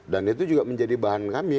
itu juga menjadi bahan kami